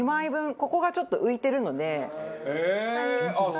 ここがちょっと浮いてるので下につかずに。